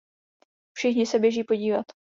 Všichni se běží podívat.